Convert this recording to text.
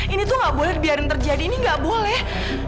ini tuh gak boleh dibiarin terjadi ini gak boleh